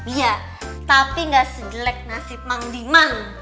iya tapi gak sejelek nasib mandiman